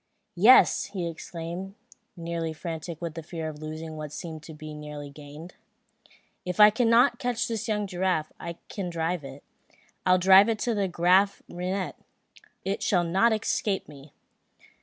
"Yes," exclaimed he, nearly frantic with the fear of losing what seemed so nearly gained. "If I cannot catch this young giraffe, I can drive it. I'll drive it to Graaf Reinet. It shall not escape me!"